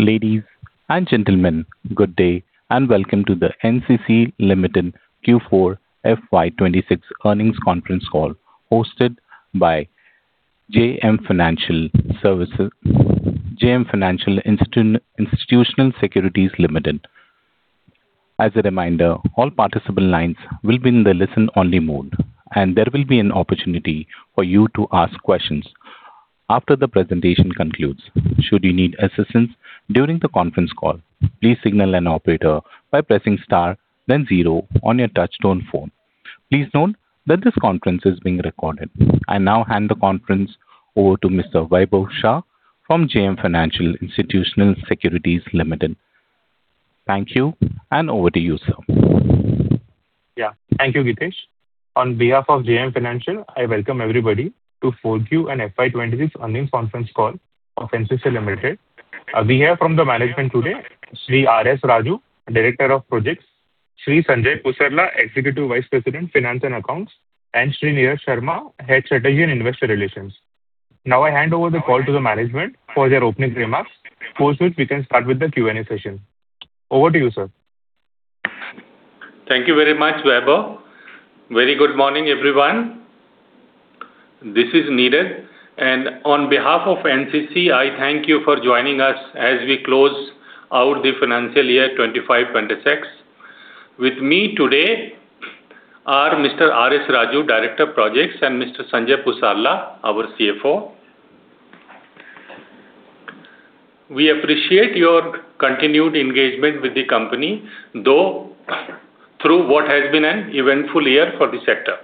Ladies and gentlemen, good day, and welcome to the NCC Limited Q4 FY 2026 earnings conference call hosted by JM Financial Institutional Securities Limited. As a reminder, all participant lines will be in the listen only mode, and there will be an opportunity for you to ask questions after the presentation concludes. Should you need assistance during the conference call, please signal an operator by pressing star then zero on your touchtone phone. Please note that this conference is being recorded. I now hand the conference over to Mr. Vaibhav Shah from JM Financial Institutional Securities Limited. Thank you, and over to you, sir. Yeah. Thank you, Gitesh. On behalf of JM Financial, I welcome everybody to 4Q and FY 2026 earnings conference call of NCC Limited. We hear from the management today Shri R.S. Raju, Director of Projects, Shri Sanjay Pusarla, Executive Vice President, Finance and Accounts, and Shri Neeraj Sharma, Head Strategy and Investor Relations. Now I hand over the call to the management for their opening remarks, post which we can start with the Q&A session. Over to you, sir. Thank you very much, Vaibhav. Very good morning, everyone. This is Neeraj, and on behalf of NCC, I thank you for joining us as we close out the financial year 2025, 2026. With me today are Mr. R.S. Raju, Director Projects, and Mr. Sanjay Pusarla, our CFO. We appreciate your continued engagement with the company, though through what has been an eventful year for the sector.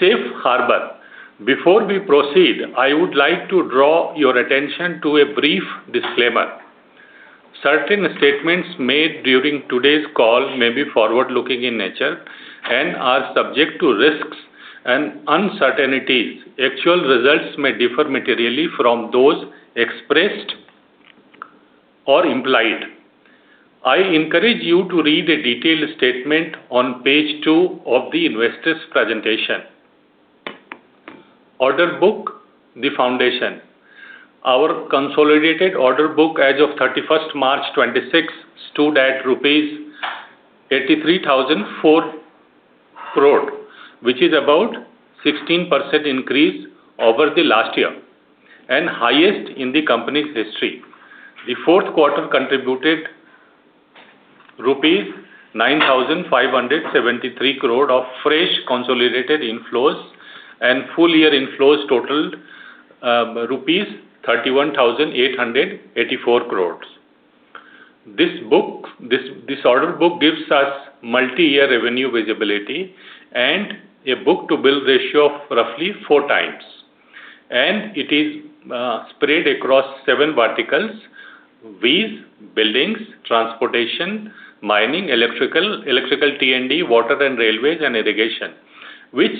Safe harbor. Before we proceed, I would like to draw your attention to a brief disclaimer. Certain statements made during today's call may be forward-looking in nature and are subject to risks and uncertainties. Actual results may differ materially from those expressed or implied. I encourage you to read a detailed statement on page two of the investors presentation. Order book: the foundation. Our consolidated order book as of 31st March 2026 stood at rupees 83,004 crore, which is about 16% increase over the last year and highest in the company's history. The fourth quarter contributed rupees 9,573 crore of fresh consolidated inflows, full year inflows totaled 31,884 crore rupees. This order book gives us multi-year revenue visibility and a book to bill ratio of roughly 4x. It is spread across seven verticals: these buildings, transportation, mining, electrical T&D, water and railways, and irrigation, which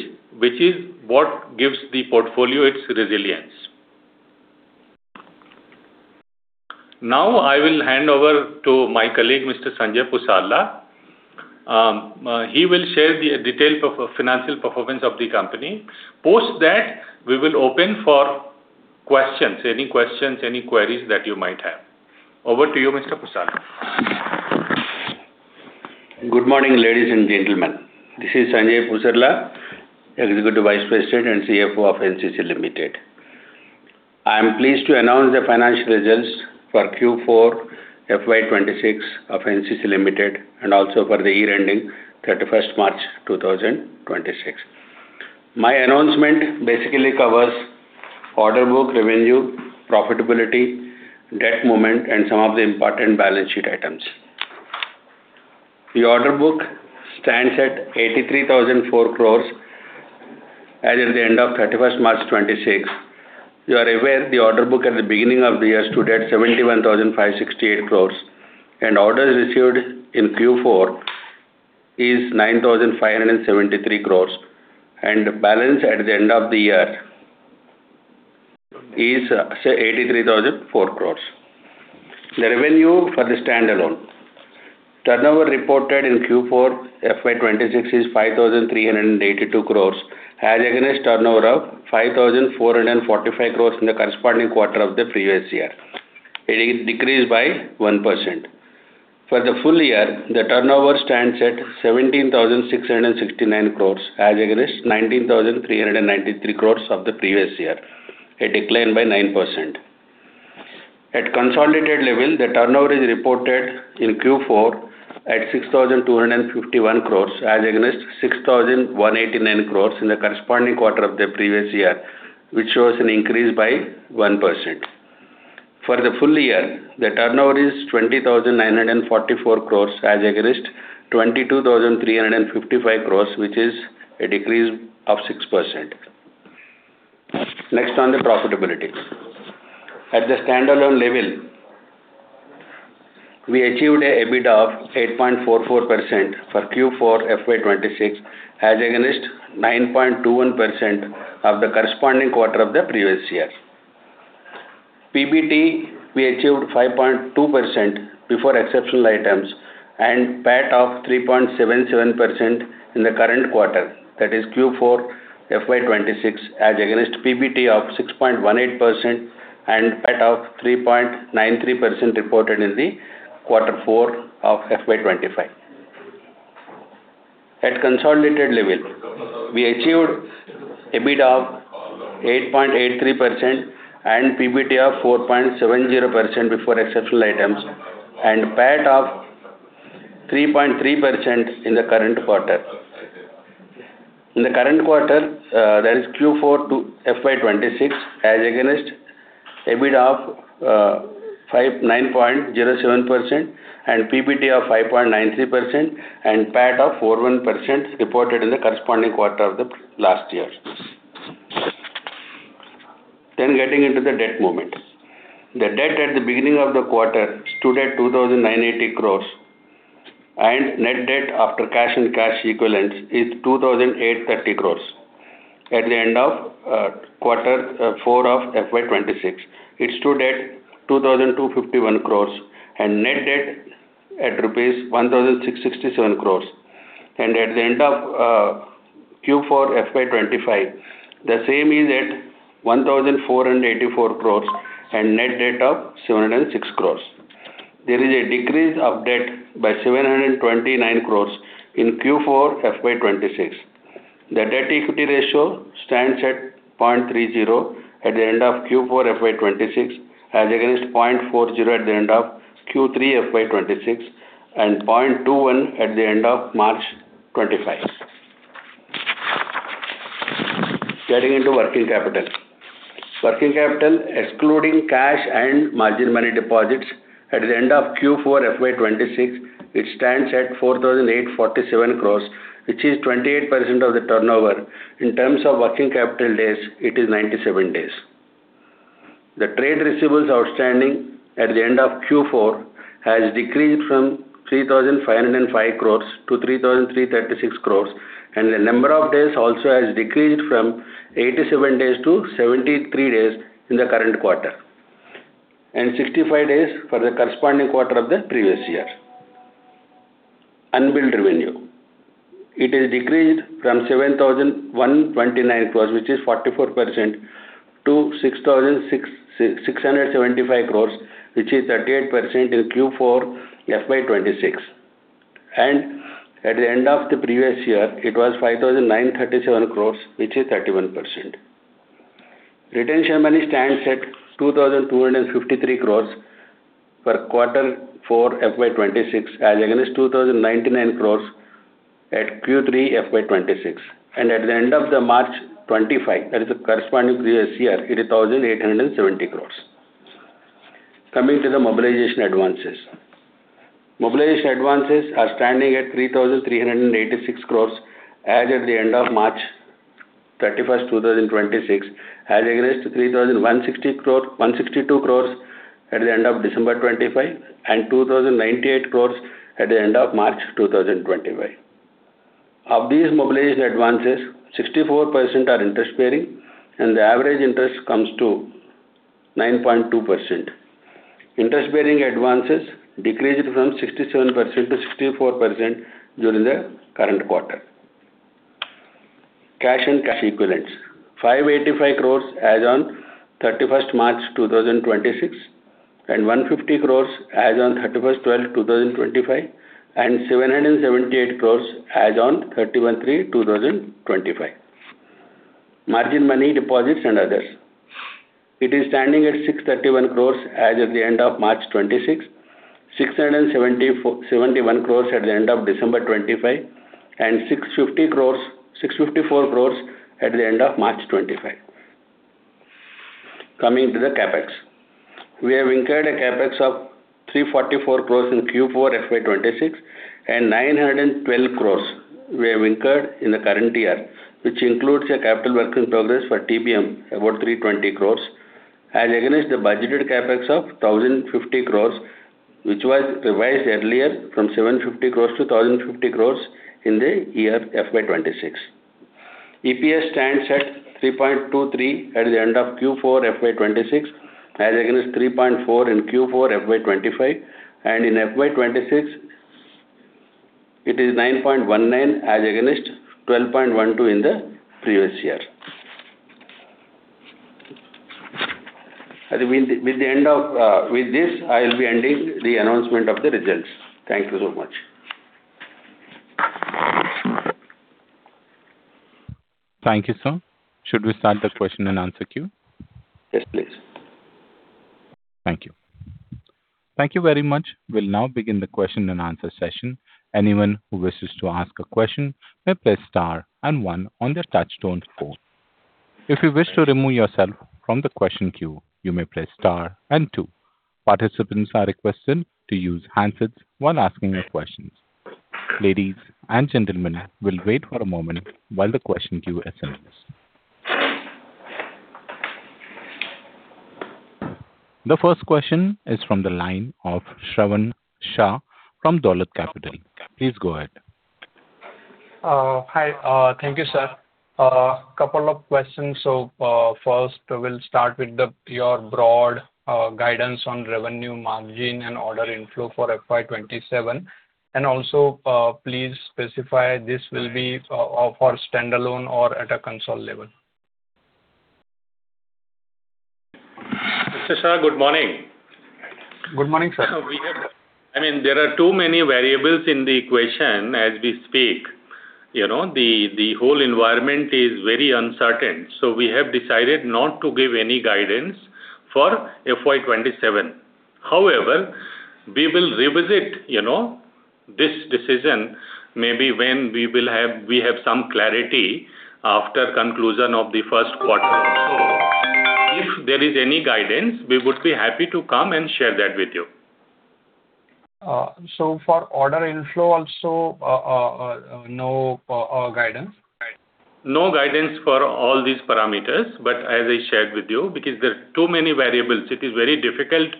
is what gives the portfolio its resilience. I will hand over to my colleague, Mr. Sanjay Pusarla. He will share the details of financial performance of the company. Post that, we will open for questions, any questions, any queries that you might have. Over to you, Mr. Pusarla. Good morning, ladies and gentlemen. This is Sanjay Pusarla, Executive Vice President and CFO of NCC Limited. I am pleased to announce the financial results for Q4 FY 2026 of NCC Limited and also for the year ending 31st March 2026. My announcement basically covers order book, revenue, profitability, debt movement, and some of the important balance sheet items. The order book stands at 83,004 crores as of the end of 31st March 2026. You are aware the order book at the beginning of the year stood at 71,568 crores. Orders received in Q4 is 9,573 crores. Balance at the end of the year is, say 83,004 crores. The revenue for the standalone. Turnover reported in Q4 FY 2026 is 5,382 crores as against turnover of 5,445 crores in the corresponding quarter of the previous year. It is decreased by 1%. For the full year, the turnover stands at INR 17,669 crores as against INR 19,393 crores of the previous year, a decline by 9%. At consolidated level, the turnover is reported in Q4 at 6,251 crores as against 6,189 crores in the corresponding quarter of the previous year, which shows an increase by 1%. For the full year, the turnover is 20,944 crores as against 22,355 crores, which is a decrease of 6%. Next, on the profitability. At the standalone level, we achieved EBIT of 8.44% for Q4 FY 2026 as against 9.21% of the corresponding quarter of the previous year. PBT, we achieved 5.2% before exceptional items. PAT of 3.77% in the current quarter, that is Q4 FY 2026, as against PBT of 6.18% and PAT of 3.93% reported in the quarter four of FY 2025. At consolidated level, we achieved EBIT of 8.83% and PBT of 4.70% before exceptional items, and PAT of 3.3% in the current quarter. In the current quarter, that is Q4 to FY 2026, as against EBIT of 9.07% and PBT of 5.93% and PAT of 41% reported in the corresponding quarter of the last year. Getting into the debt movement. The debt at the beginning of the quarter stood at 2,980 crores, and net debt after cash and cash equivalents is 2,830 crores. At the end of quarter four of FY 2026, it stood at 2,251 crores and net debt at rupees 1,667 crores. At the end of Q4 FY 2025, the same is at 1,484 crores and net debt of 706 crores. There is a decrease of debt by 729 crores in Q4 FY 2026. The debt-equity ratio stands at 0.30 at the end of Q4 FY 2026, as against 0.40 at the end of Q3 FY 2026 and 0.21 at the end of March 2025. Getting into working capital. Working capital, excluding cash and margin money deposits at the end of Q4 FY 2026, it stands at 4,847 crores, which is 28% of the turnover. In terms of working capital days, it is 97 days. The trade receivables outstanding at the end of Q4 has decreased from 3,505 crores to 3,336 crores, and the number of days also has decreased from 87 days to 73 days in the current quarter, and 65 days for the corresponding quarter of the previous year. Unbilled revenue has decreased from 7,129 crores, which is 44%, to 6,675 crores, which is 38% in Q4 FY 2026. At the end of the previous year it was 5,937 crores, which is 31%. Retention money stands at 2,253 crores for Q4 FY 2026, as against 2,099 crores at Q3 FY 2026. At the end of the March 2025, that is the corresponding previous year, it is 1,870 crores rupees. Coming to the mobilization advances. Mobilization advances are standing at 3,386 crores as of the end of March 31, 2026, as against 3,162 crores at the end of December 2025 and 2,098 crores at the end of March 2025. Of these mobilization advances, 64% are interest-bearing, and the average interest comes to 9.2%. Interest-bearing advances decreased from 67% to 64% during the current quarter. Cash and cash equivalents. 585 crores as on March 31, 2026, and 150 crores as on December 31, 12, 2025, and 778 crores as on March 31, 2025. Margin money deposits and others. It is standing at 631 crores as of the end of March 2026, 671 crores at the end of December 2025, and 654 crores at the end of March 2025. Coming to the CapEx. We have incurred a CapEx of 344 crores in Q4 FY 2026 and 912 crores we have incurred in the current year, which includes a capital work in progress for TBM, about 320 crores, as against the budgeted CapEx of 1,050 crores, which was revised earlier from 750 crores to 1,050 crores in the year FY 2026. EPS stands at 3.23 at the end of Q4 FY 2026, as against 3.4 in Q4 FY 2025. In FY 2026, it is 9.19 as against 12.12 in the previous year. With the end of this, I'll be ending the announcement of the results. Thank you so much. Thank you, sir. Should we start the question and answer queue? Yes, please. Thank you. Thank you very much. We'll now begin the question and answer session. Anyone who wishes to ask a question may press star one on their touch-tone phone. If you wish to remove yourself from the question queue, you may press star two. Participants are requested to use handsets when asking your questions. Ladies and gentlemen, we'll wait for a moment while the question queue assembles. The first question is from the line of Shravan Shah from Dolat Capital. Please go ahead. Hi. Thank you, sir. Couple of questions. First we'll start with the, your broad guidance on revenue margin and order inflow for FY 2027. Also, please specify this will be for standalone or at a console level. Mr. Shah, good morning. Good morning, sir. We have I mean, there are too many variables in the equation as we speak. You know, the whole environment is very uncertain, we have decided not to give any guidance for FY 2027. However, we will revisit, you know, this decision maybe when we have some clarity after conclusion of the first quarter or so. If there is any guidance, we would be happy to come and share that with you. For order inflow also, no guidance? No guidance for all these parameters. As I shared with you, because there are too many variables, it is very difficult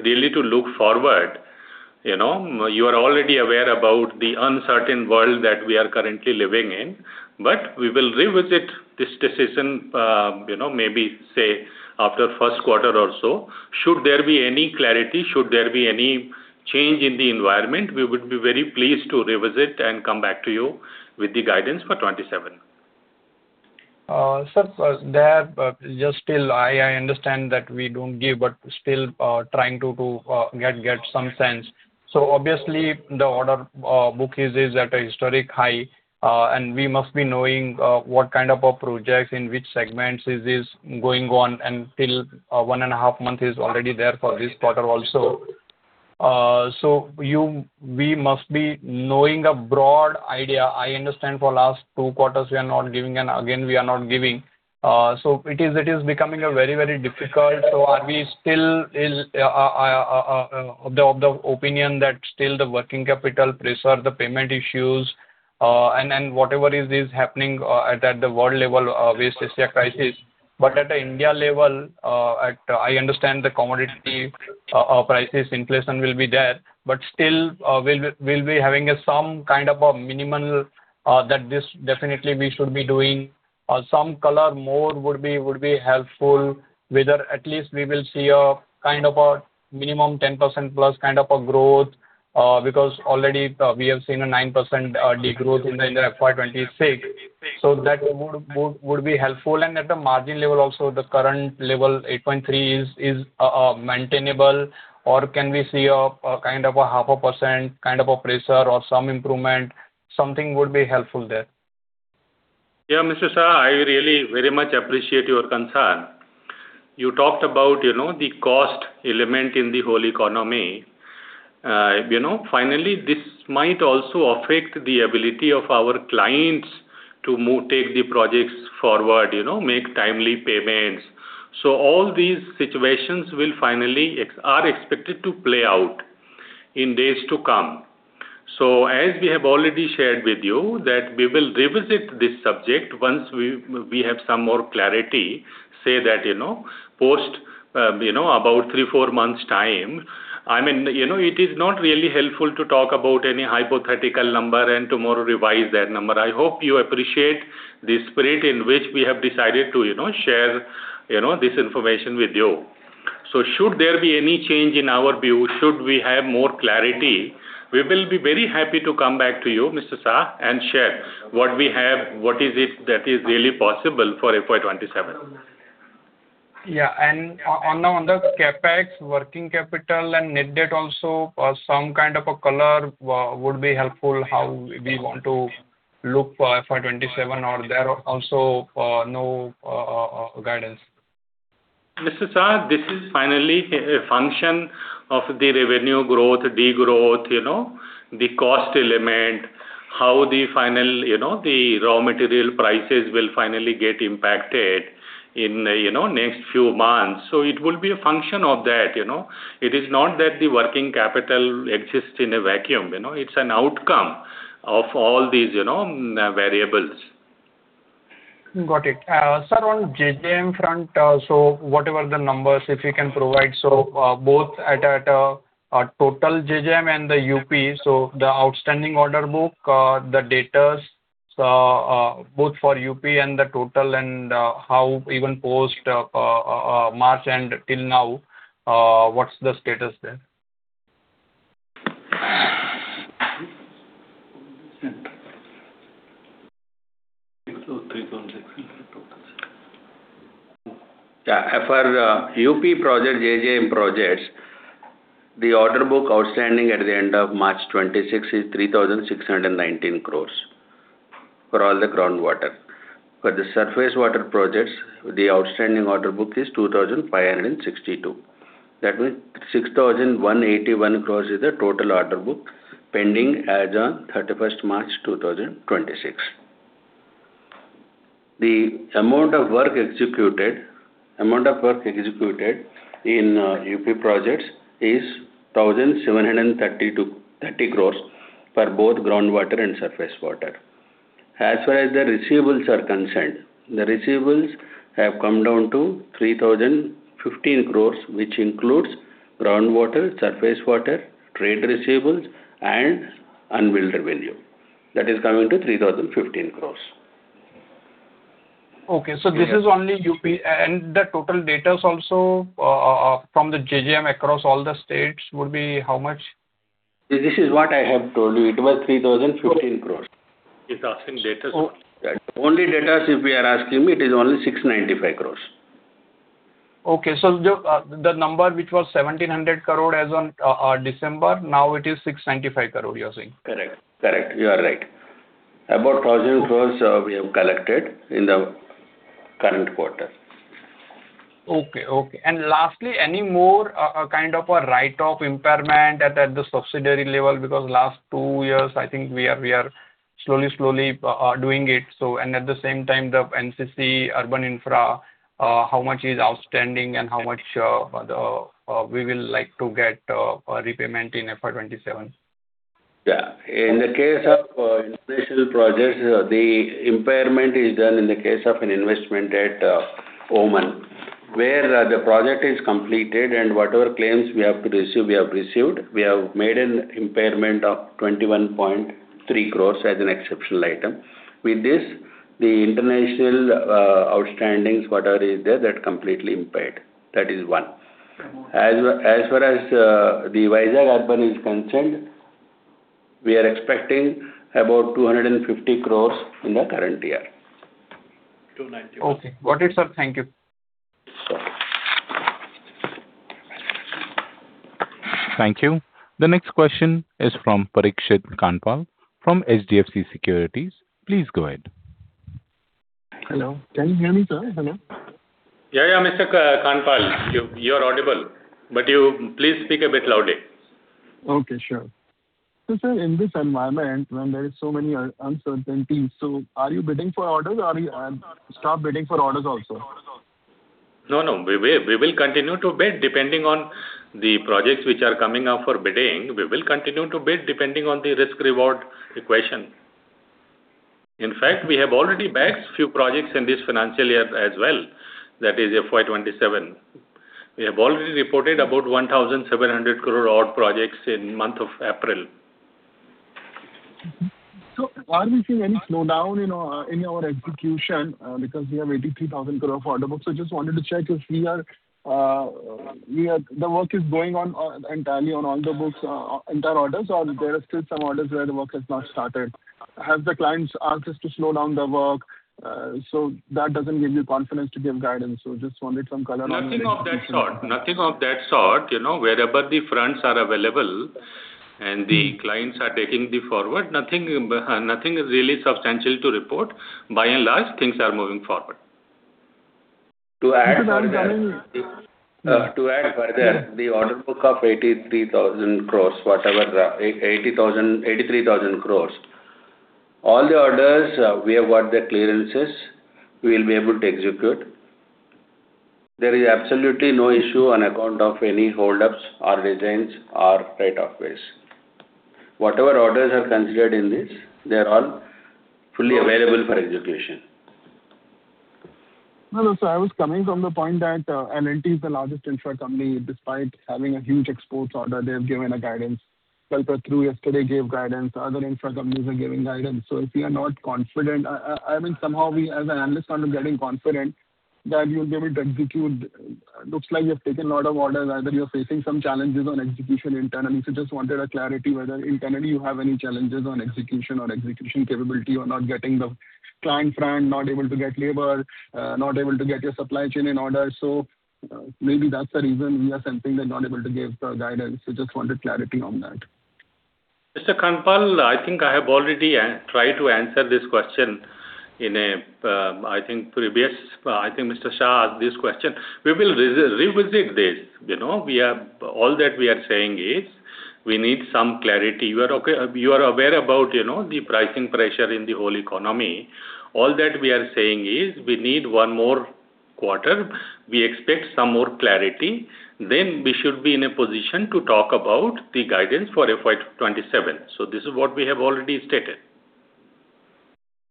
really to look forward, you know. You are already aware about the uncertain world that we are currently living in. We will revisit this decision, you know, maybe, say, after first quarter or so. Should there be any clarity, should there be any change in the environment, we would be very pleased to revisit and come back to you with the guidance for 2027. Sir, there, just still I understand that we don't give, but still trying to get some sense. Obviously the order book is at a historic high, and we must be knowing what kind of projects in which segments is this going on until one and a half month is already there for this quarter also. We must be knowing a broad idea. I understand for last two quarters we are not giving, and again we are not giving. It is becoming difficult. Are we still of the opinion that still the working capital pressure, the payment issues, and whatever is happening at the world level with this crisis. At a India level, at I understand the commodity prices inflation will be there, but still, we'll be having some kind of a minimal that this definitely we should be doing. Some color more would be helpful, whether at least we will see a kind of a minimum 10% plus kind of a growth, because already we have seen a 9% degrowth in the FY 2026. That would be helpful. At the margin level also, the current level, 8.3, is maintainable or can we see a kind of a half a percent kind of a pressure or some improvement? Something would be helpful there. Yeah, Mr. Shah, I really very much appreciate your concern. You talked about, you know, the cost element in the whole economy. you know, finally, this might also affect the ability of our clients to take the projects forward, you know, make timely payments. All these situations will finally are expected to play out in days to come. As we have already shared with you, that we will revisit this subject once we have some more clarity, say that, you know, post, you know, about three, four months' time. I mean, you know, it is not really helpful to talk about any hypothetical number and tomorrow revise that number. I hope you appreciate the spirit in which we have decided to, you know, share, you know, this information with you. Should there be any change in our view, should we have more clarity, we will be very happy to come back to you, Mr. Shah, and share what we have, what is it that is really possible for FY 2027. On the CapEx, working capital and net debt also, some kind of a color would be helpful, how we want to look for FY 2027 or there also, no guidance. Mr. Shah, this is finally a function of the revenue growth, degrowth, you know, the cost element, how the final, you know, the raw material prices will finally get impacted in, you know, next few months. It will be a function of that, you know. It is not that the working capital exists in a vacuum, you know. It's an outcome of all these, you know, variables. Got it. sir, on JJM front, whatever the numbers, if you can provide, both at total JJM and the UP, the outstanding order book, the dues, both for UP and the total, how even post March and till now, what's the status there? Yeah. For U.P. project, JJM projects, the order book outstanding at the end of March 26 is 3,619 crores for all the groundwater. For the surface water projects, the outstanding order book is 2,562 crores. That means 6,181 crores is the total order book pending as on March 31, 2026. The amount of work executed in U.P. projects is 1,730 crores for both groundwater and surface water. As far as the receivables are concerned, the receivables have come down to 3,015 crores, which includes Groundwater, surface water, trade receivables, and unbilled revenue. That is coming to 3,015 crores. Okay. This is only U.P. The total dues also from the JJM across all the states would be how much? This is what I have told you. It was 3,015 crores. He's asking dues. Only dues if we are asking, it is only 695 crores. The number which was 1,700 crore as on December, now it is 695 crore you are saying? Correct. Correct. You are right. About 1,000 crores, we have collected in the current quarter. Okay. Okay. Lastly, any more kind of a write-off impairment at the subsidiary level? Because last two years I think we are slowly doing it. At the same time, the NCC Urban Infra, how much is outstanding and how much we will like to get repayment in FY 2027? In the case of international projects, the impairment is done in the case of an investment at Oman, where the project is completed and whatever claims we have to receive, we have received. We have made an impairment of 21.3 crores as an exceptional item. With this, the international outstandings, whatever is there, that completely impaired. That is one. As far as the Vizag Urban is concerned, we are expecting about 250 crores in the current year. INR 295. Okay. Got it, sir. Thank you. Sure. Thank you. The next question is from Parikshit Kandpal from HDFC Securities. Please go ahead. Hello. Can you hear me, sir? Hello. Yeah, Mr. Kandpal. You are audible. You please speak a bit loudly. Okay. Sure. Sir, in this environment, when there is so many uncertainties, so are you bidding for orders or you stop bidding for orders also? No, no. We will continue to bid. Depending on the projects which are coming up for bidding, we will continue to bid depending on the risk reward equation. In fact, we have already bagged few projects in this financial year as well. That is FY 2027. We have already reported about 1,700 crore odd projects in month of April. Are we seeing any slowdown, you know, in our execution? Because we have 83,000 crore order book. Just wanted to check if the work is going on entirely on order books, entire orders, or there are still some orders where the work has not started? Have the clients asked us to slow down the work? That doesn't give you confidence to give guidance. Just wanted some color on the execution. Nothing of that sort. Nothing of that sort. You know, wherever the fronts are available and the clients are taking the forward, nothing is really substantial to report. By and large, things are moving forward. To add further, the order book of 83,000 crores, whatever the 80,000, 83,000 crores, all the orders, we have got the clearances, we will be able to execute. There is absolutely no issue on account of any holdups or reasons or right of ways. Whatever orders are considered in this, they are all fully available for execution. No, no, sir, I was coming from the point that L&T is the largest infra company. Despite having a huge exports order, they have given a guidance. KEC International yesterday gave guidance. Other infra companies are giving guidance. If you are not confident, I mean, somehow we as an analyst kind of getting confident that you'll be able to execute. Looks like you have taken lot of orders. Either you're facing some challenges on execution internally, so just wanted a clarity whether internally you have any challenges on execution or execution capability. You are not getting the client front, not able to get labor, not able to get your supply chain in order. Maybe that's the reason we are sensing they're not able to give the guidance. Just wanted clarity on that. Mr. Kandpal, I think I have already tried to answer this question in a previous. I think Mr. Shah asked this question. We will revisit this, you know. All that we are saying is we need some clarity. You are okay, you are aware about, you know, the pricing pressure in the whole economy. All that we are saying is we need 1 more quarter. We expect some more clarity. We should be in a position to talk about the guidance for FY 2027. This is what we have already stated.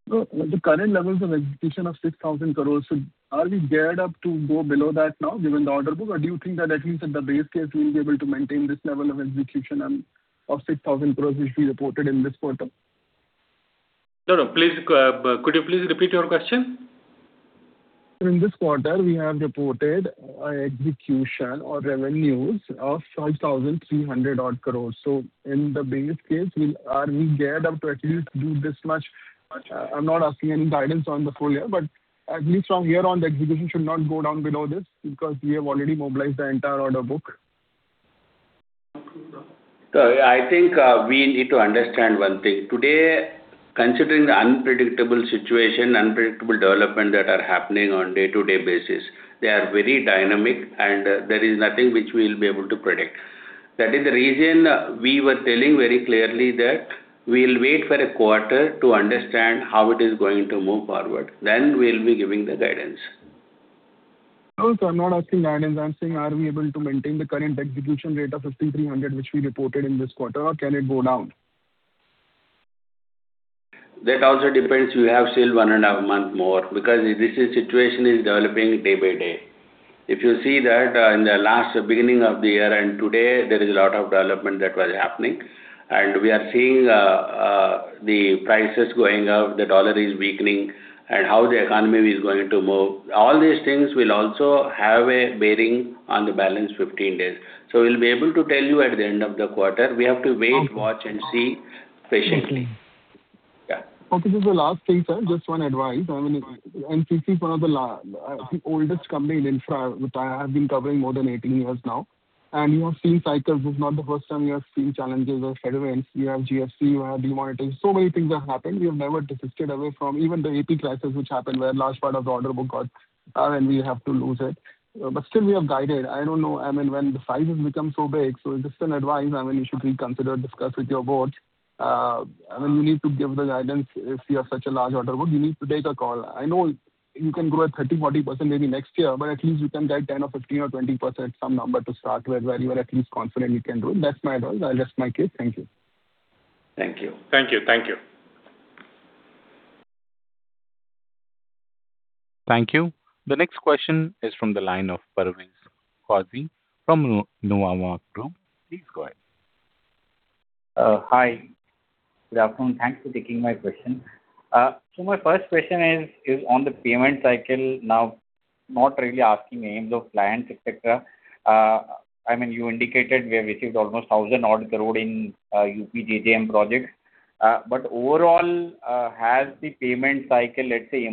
The current levels of execution of 6,000 crores, are we geared up to go below that now given the order book? Do you think that at least at the base case, we'll be able to maintain this level of execution and of 6,000 crores which we reported in this quarter? No, no. Please, could you please repeat your question? In this quarter, we have reported execution or revenues of 5,300 odd crores. In the base case, are we geared up to at least do this much? I'm not asking any guidance on the full year, but at least from here on, the execution should not go down below this because we have already mobilized the entire order book. I think we need to understand one thing. Today, considering the unpredictable situation, unpredictable development that are happening on day-to-day basis, they are very dynamic and there is nothing which we'll be able to predict. That is the reason we were telling very clearly that we'll wait for a quarter to understand how it is going to move forward. We'll be giving the guidance. No, sir, I'm not asking guidance. I'm saying, are we able to maintain the current execution rate of 15,300 which we reported in this quarter, or can it go down? That also depends. We have still one and a half month more because this is situation is developing day by day. If you see that, in the last beginning of the year and today, there is a lot of development that was happening, and we are seeing the prices going up, the dollar is weakening and how the economy is going to move. All these things will also have a bearing on the balance 15 days. We'll be able to tell you at the end of the quarter. We have to wait. Okay. Watch and see patiently. Exactly. Yeah. Okay. This is the last thing, sir. Just one advice. I mean, NCC is one of the oldest company in infra which I have been covering more than 18 years now. You have seen cycles. This is not the first time you have seen challenges or headwinds. You have GFC, you have demonetization. Many things have happened. You have never desisted away from even the AP crisis, which happened where a large part of the order book got, when we have to lose it. Still we have guided. I don't know, I mean, when the size has become so big, so just an advice, I mean, you should reconsider, discuss with your board. I mean, you need to give the guidance if you have such a large order book. You need to take a call. I know you can grow at 30%, 40% maybe next year, but at least you can guide 10% or 15% or 20% some number to start with where you are at least confident you can do it. That's my advice. I'll rest my case. Thank you. Thank you. Thank you. Thank you. Thank you. The next question is from the line of Parvez Qazi from Nuvama Group. Please go ahead. Hi. Good afternoon. Thanks for taking my question. My first question is on the payment cycle. Now, not really asking names of clients, et cetera. I mean, you indicated we have received almost 1,000 odd crore in UP JJM projects. Overall, has the payment cycle, let's say,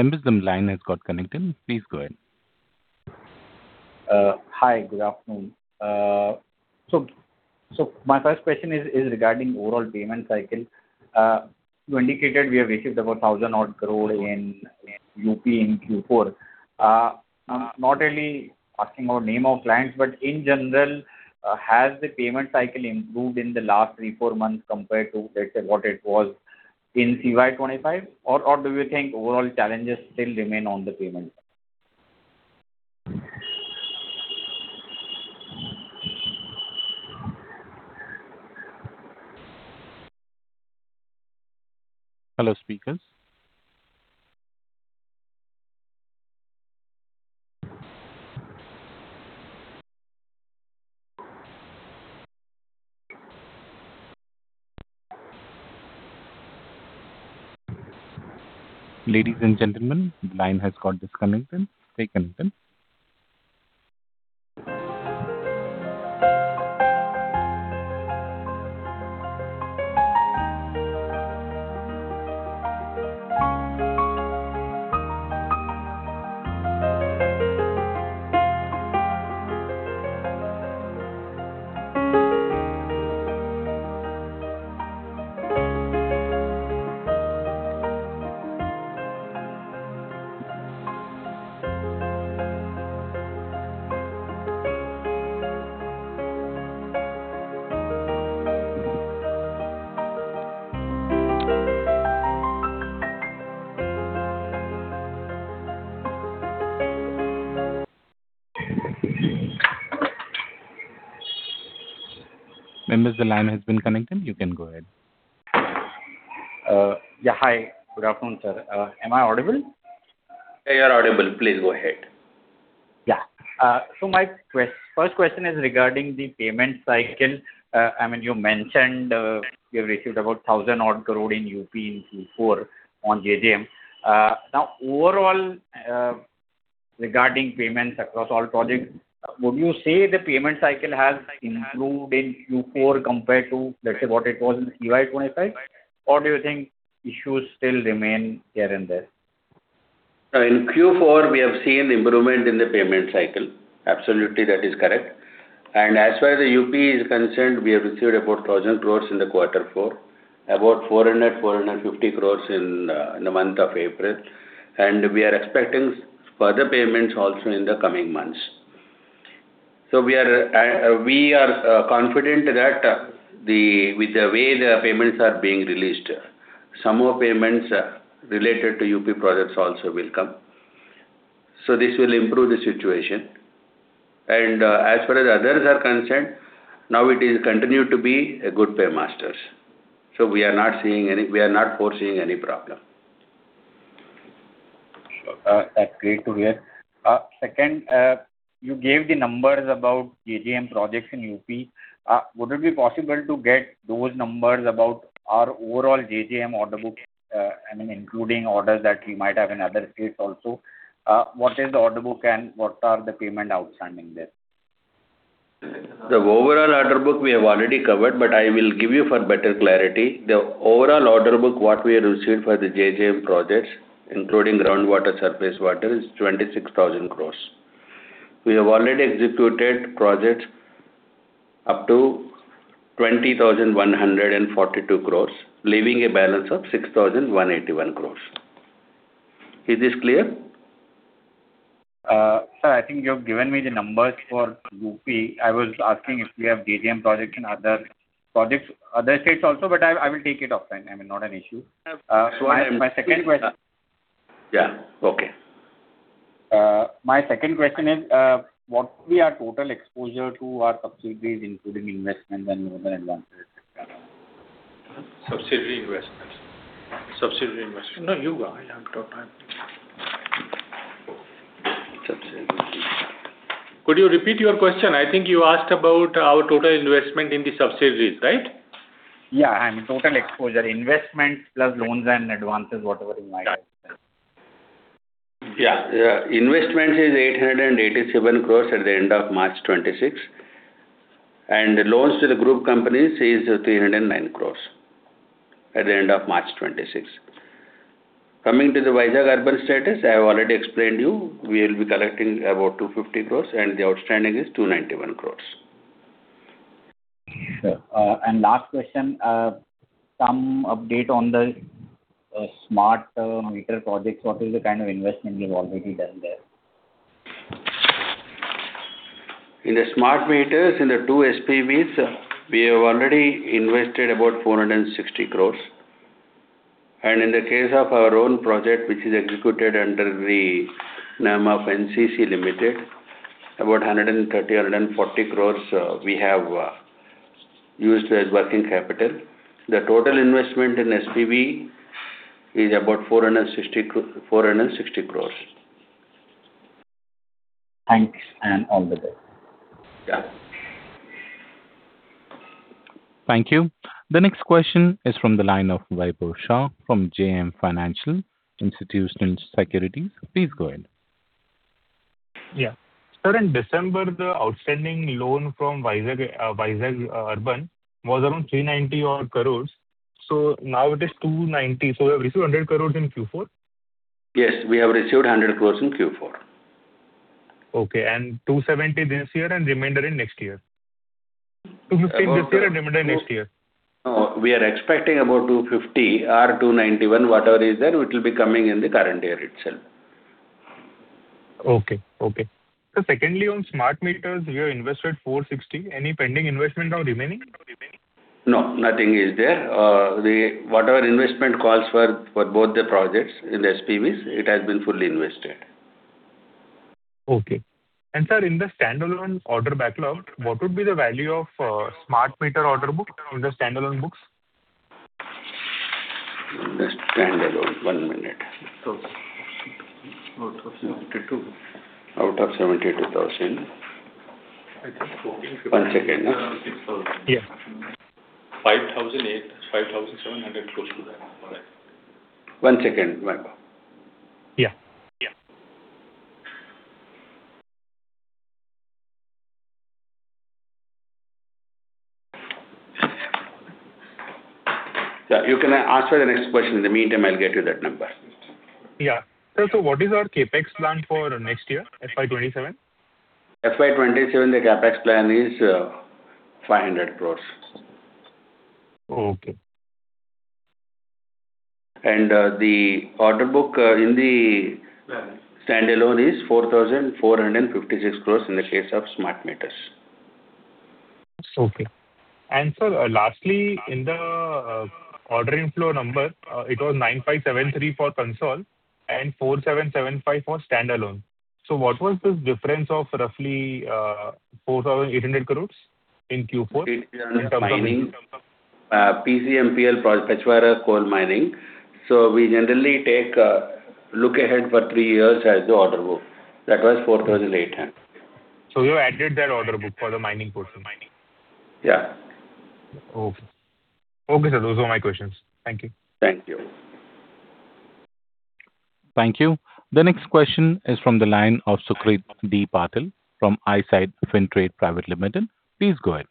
improved in the last 3, 4 months compared to, let's say, what it was Ladies and gentlemen, the line has got disconnected. Stay connected. Members, the line has been connected. You can go ahead. Yeah. Hi. Good afternoon, sir. Am I audible? Yeah, you're audible. Please go ahead. My first question is regarding the payment cycle. You mentioned you have received about 1,000 odd crore in UP in Q4 on JJM. Overall, regarding payments across all projects, would you say the payment cycle has improved in Q4 compared to, let's say, what it was in CY 2025? Do you think issues still remain here and there? In Q4, we have seen improvement in the payment cycle. Absolutely, that is correct. As far as the U.P. is concerned, we have received about 1,000 crores in the quarter four, about 450 crores in the month of April. We are expecting further payments also in the coming months. We are confident that with the way the payments are being released, some more payments related to U.P. projects also will come. This will improve the situation. As far as others are concerned, now it is continued to be a good pay masters. We are not foreseeing any problem. That's great to hear. Second, you gave the numbers about JJM projects in UP. Would it be possible to get those numbers about our overall JJM order book, I mean, including orders that we might have in other states also? What is the order book and what are the payment outstanding there? The overall order book we have already covered, but I will give you for better clarity. The overall order book, what we have received for the JJM projects, including groundwater, surface water, is 26,000 crores. We have already executed projects up to 20,142 crores, leaving a balance of 6,181 crores. Is this clear? Sir, I think you have given me the numbers for U.P. I was asking if we have JJM projects in other projects, other states also, but I will take it offline. I mean, not an issue. My second question. Yeah. Okay. My second question is, what will be our total exposure to our subsidiaries, including investments and loan and advances, et cetera? Subsidiary investments. Subsidiary investment. No, you go. I have got time. Subsidiary investment. Could you repeat your question? I think you asked about our total investment in the subsidiaries, right? I mean, total exposure, investments plus loans and advances, whatever it might be. Yeah. Yeah. Investment is 887 crores at the end of March 26. Loans to the group companies is 309 crores at the end of March 26. Coming to the Vizag Urban status, I have already explained you. We will be collecting about 250 crores, and the outstanding is 291 crores. Sure. Last question, some update on the smart meter projects. What is the kind of investment you've already done there? In the smart meters, in the two SPVs, we have already invested about 460 crores. In the case of our own project, which is executed under the name of NCC Limited, about 130, 140 crores, we have used as working capital. The total investment in SPV is about INR 460 crores. Thanks, and all the best. Yeah. Thank you. The next question is from the line of Vaibhav Shah from JM Financial Institutional Securities. Please go ahead. Yeah. Sir, in December, the outstanding loan from Vizag Urban was around INR 390 odd crores. Now it is INR 290. You have received INR 100 crores in Q4? Yes, we have received INR 100 crores in Q4. Okay. INR 270 this year and remainder in next year. INR 250 this year and remainder next year. No, we are expecting about 250 crore or 291 crore, whatever is there, it will be coming in the current year itself. Okay. Okay. Sir, secondly, on smart meters, you have invested 460 crore. Any pending investment now remaining? No, nothing is there. Whatever investment calls for both the projects in the SPV, it has been fully invested. Okay. sir, in the standalone order backlog, what would be the value of smart meter order book on the standalone books? The standalone, one minute. Out of 72. Out of INR 72,000. One second. Yeah. 5,008. 5,700 crores to that. One second, Vaibhav. Yeah. Yeah. You can ask for the next question. In the meantime, I'll get you that number. Yeah. Sir, what is our CapEx plan for next year, FY 2027? FY 2027, the CapEx plan is 500 crores. Okay. The order book Standalone. Standalone is 4,456 crores in the case of smart meters. Okay. Sir, lastly, in the ordering flow number, it was 9,573 for console and 4,775 for standalone. What was this difference of roughly 4,800 crores in Q4? Mining, PCMPL project, Pachhwara Coal Mining. We generally take a look ahead for three years as the order book. That was 4,800. You added that order book for the mining portion, mining? Yeah. Okay. Okay, sir. Those are my questions. Thank you. Thank you. Thank you. The next question is from the line of Sucrit D. Patil from Eyesight Fintrade Private Limited. Please go ahead.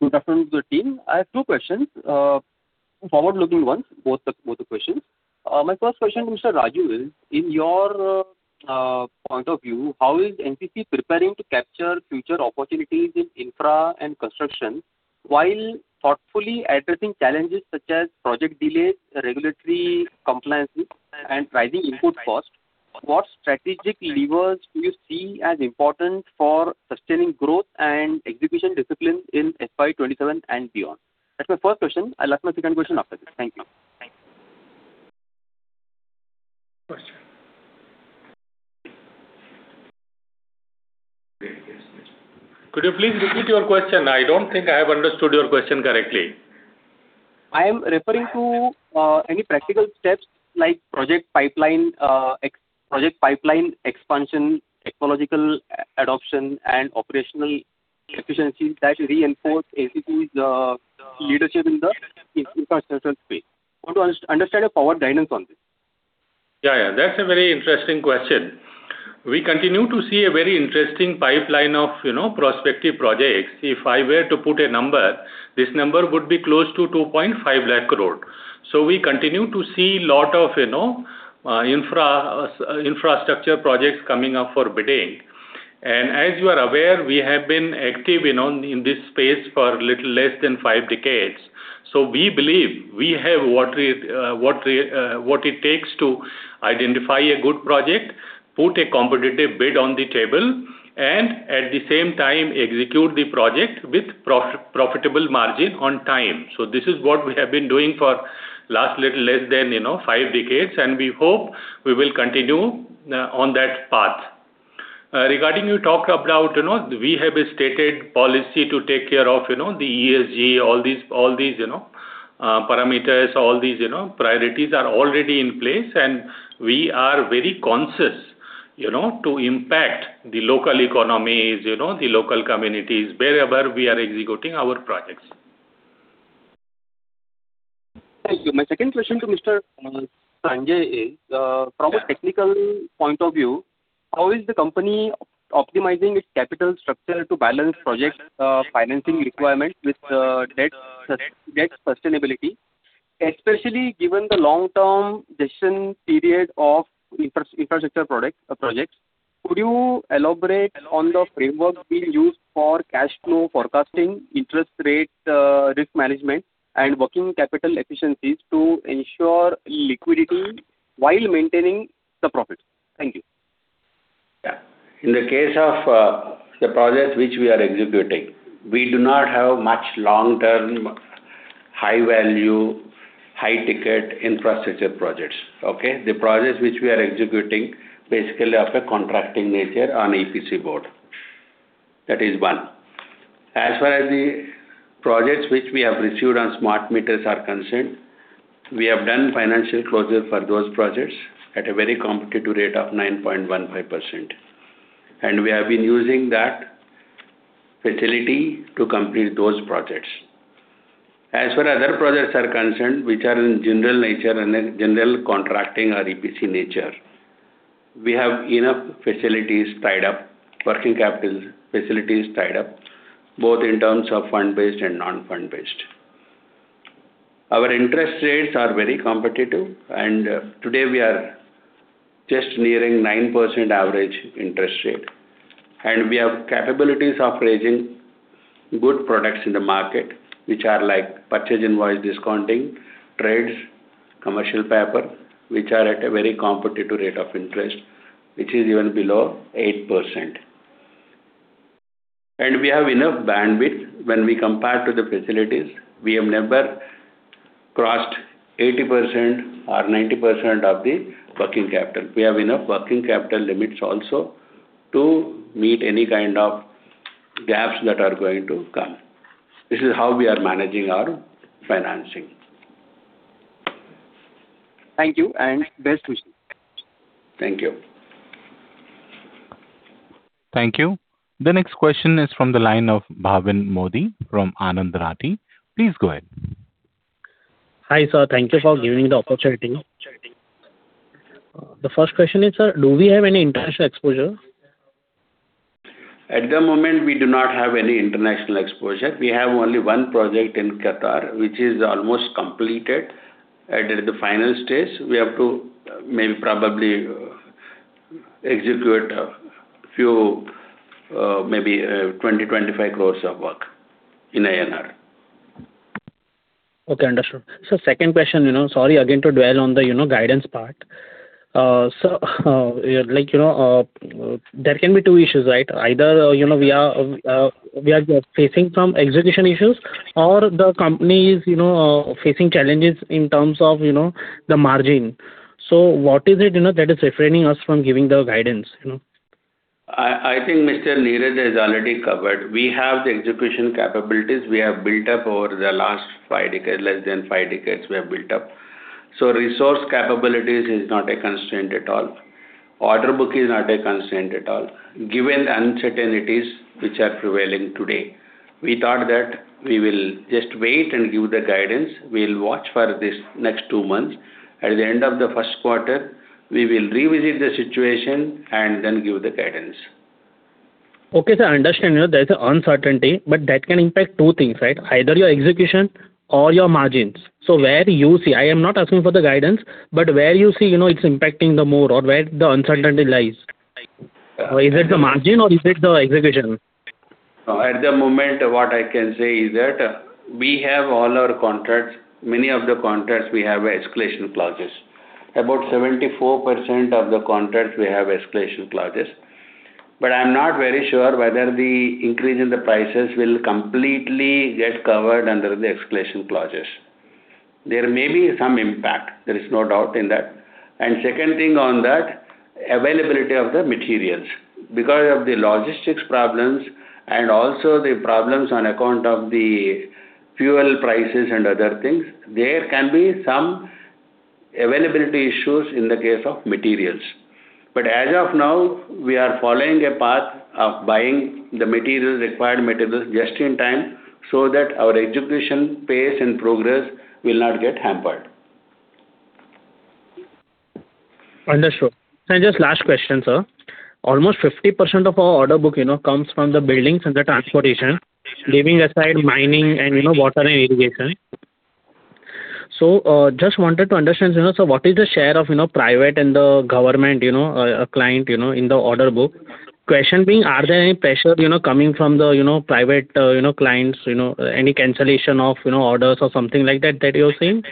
Good afternoon to the team. I have two questions. Forward-looking ones, both the questions. My first question, Mr. R.S. Raju, is, in your point of view, how is NCC preparing to capture future opportunities in infra and construction while thoughtfully addressing challenges such as project delays, regulatory compliances, and rising input costs? What strategic levers do you see as important for sustaining growth and execution discipline in FY 2027 and beyond? That's my first question. I'll ask my second question after this. Thank you. Question. Could you please repeat your question? I don't think I have understood your question correctly. I am referring to any practical steps like project pipeline, ex-project pipeline expansion, technological adoption, and operational efficiencies that reinforce NCC's leadership in the infrastructure space. I want to understand your forward guidance on this. Yeah, yeah. That's a very interesting question. We continue to see a very interesting pipeline of, you know, prospective projects. If I were to put a number, this number would be close to 2.5 lakh crore. We continue to see lot of, you know, infra, infrastructure projects coming up for bidding. As you are aware, we have been active, you know, in this space for little less than five decades. We believe we have what it takes to identify a good project, put a competitive bid on the table, and at the same time execute the project with profitable margin on time. This is what we have been doing for last little less than, you know, 5 decades, and we hope we will continue on that path. Regarding you talked about, you know, we have a stated policy to take care of, you know, the ESG, all these, you know, parameters, all these, you know, priorities are already in place, and we are very conscious, you know, to impact the local economies, you know, the local communities wherever we are executing our projects. Thank you. My second question to Mr. Sanjay is. Yeah. From a technical point of view, how is the company optimizing its capital structure to balance projects' financing requirements with debt sustainability? Especially given the long-term decision period of infrastructure product projects. Could you elaborate on the framework being used for cash flow forecasting, interest rate risk management, and working capital efficiencies to ensure liquidity while maintaining the profits? Thank you. In the case of the projects which we are executing, we do not have much long-term, high-value, high-ticket infrastructure projects. Okay? The projects which we are executing basically of a contracting nature on EPC. That is one. As far as the projects which we have received on smart meters are concerned, we have done financial closure for those projects at a very competitive rate of 9.15%, and we have been using that facility to complete those projects. As for other projects are concerned, which are in general nature and in general contracting or EPC nature, we have enough facilities tied up, working capital facilities tied up, both in terms of fund-based and non-fund based. Our interest rates are very competitive, and today we are just nearing 9% average interest rate. We have capabilities of raising good products in the market, which are like purchase invoice discounting, TReDS, commercial paper, which are at a very competitive rate of interest, which is even below 8%. We have enough bandwidth when we compare to the facilities. We have never crossed 80% or 90% of the working capital. We have enough working capital limits also to meet any kind of gaps that are going to come. This is how we are managing our financing. Thank you, and best wishes. Thank you. Thank you. The next question is from the line of Bhavin Modi from Anand Rathi. Please go ahead. Hi, sir. Thank you for giving the opportunity. The first question is, sir, do we have any international exposure? At the moment, we do not have any international exposure. We have only one project in Qatar, which is almost completed. At the final stage, we have to maybe, probably execute a few, maybe, 20-25 crores of work in INR. Okay, understood. Second question, you know, sorry again to dwell on the, you know, guidance part. Like, you know, there can be two issues, right? Either, you know, we are facing some execution issues or the company is, you know, facing challenges in terms of, you know, the margin. What is it, you know, that is refraining us from giving the guidance, you know? I think Mr. Neeraj has already covered. We have the execution capabilities we have built up over the last five decades, less than five decades we have built up. Resource capabilities is not a constraint at all. Order book is not a constraint at all. Given the uncertainties which are prevailing today, we thought that we will just wait and give the guidance. We will watch for this next two months. At the end of the first quarter, we will revisit the situation and then give the guidance. Okay, sir. I understand, you know, there's an uncertainty. That can impact 2 things, right? Either your execution or your margins. Where you see I am not asking for the guidance, but where you see, you know, it's impacting the more or where the uncertainty lies. Like is it the margin or is it the execution? At the moment, what I can say is that we have all our contracts, many of the contracts we have escalation clauses. About 74% of the contracts we have escalation clauses. I'm not very sure whether the increase in the prices will completely get covered under the escalation clauses. There may be some impact, there is no doubt in that. Second thing on that, availability of the materials. Because of the logistics problems and also the problems on account of the fuel prices and other things, there can be some availability issues in the case of materials. As of now, we are following a path of buying the materials, required materials just in time so that our execution pace and progress will not get hampered. Understood. Just last question, sir. Almost 50% of our order book, you know, comes from the buildings and the transportation, leaving aside mining and, you know, water and irrigation. Just wanted to understand, you know, what is the share of, you know, private and the government, you know, client, you know, in the order book? Question being, are there any pressure, you know, coming from the, you know, private, you know, clients, you know, any cancellation of, you know, orders or something like that that you're seeing?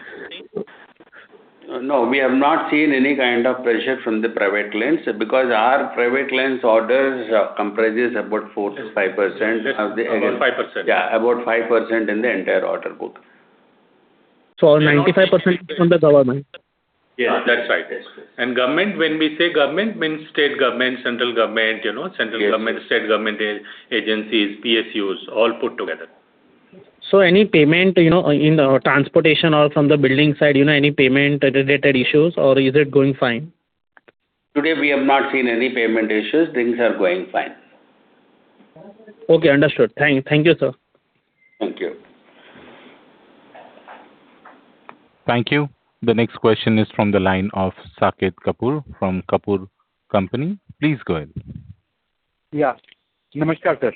No, we have not seen any kind of pressure from the private clients because our private clients orders comprises about 4%-5% of the. About 5%. Yeah, about 5% in the entire order book. 95% comes from the government. Yeah, that's right. Government, when we say government, means state government, central government, you know, central government, state government agencies, PSUs all put together. Any payment, you know, in the transportation or from the building side, you know any payment-related issues, or is it going fine? Today, we have not seen any payment issues. Things are going fine. Okay, understood. Thank you, sir. Thank you. Thank you. The next question is from the line of Saket Kapoor from Kapoor & Co. Please go ahead. Yeah. Namaskar, sir.